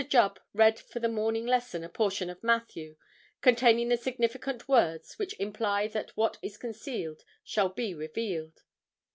Jubb read for the morning lesson a portion of Matthew, containing the significant words which imply that what is concealed shall be revealed.